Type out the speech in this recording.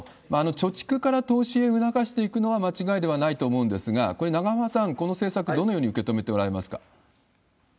貯蓄から投資へ促していくのは間違いではないと思うんですが、これ、永濱さん、この政策、どのように受け止めておられますか？